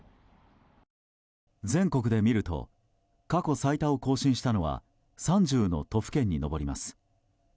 全国で見ると過去最多を更新したのは３０の都府県に上ります。